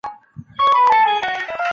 应天府乡试第二名。